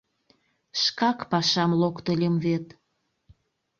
Шкак пашам локтыльым вет...